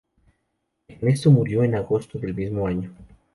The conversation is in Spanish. Ernesto murió en agosto del mismo año.